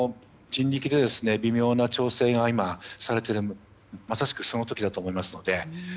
人力で微妙な調整が今、されていてまさしくその時だと思いますので。